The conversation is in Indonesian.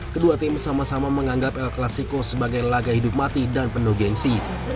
kedua tim sama sama menganggap el clasico sebagai laga hidup mati dan penuh gengsi